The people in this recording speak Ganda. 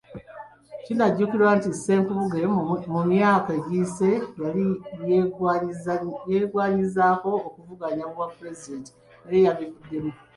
Kinajjukirwa nti Ssenkubuge mu myaka egiyise, yali yeegwanyizaako okuvuganya ku bwapulezidenti naye yabivuddemu.